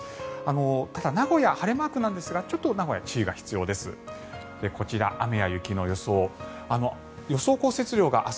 ただ、名古屋晴れマークなんですがちょっと名古屋は注意が必要です。